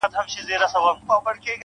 دغه رنگينه او حسينه سپوږمۍ,